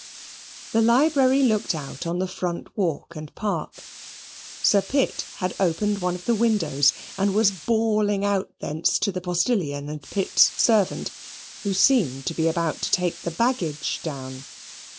The library looked out on the front walk and park. Sir Pitt had opened one of the windows, and was bawling out thence to the postilion and Pitt's servant, who seemed to be about to take the baggage down.